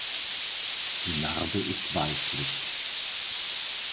Die Narbe ist weißlich.